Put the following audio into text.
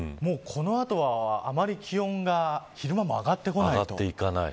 この後は、あまり気温が昼間も上がってこない。